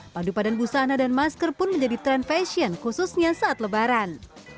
pandu padan busana dan masker pun menjadi tren fashion khususnya saat lebaran